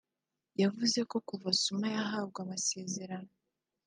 yavuze ko kuva Summa yahabwa amasezerano